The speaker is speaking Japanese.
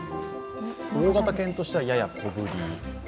大型犬としては、やや小ぶり。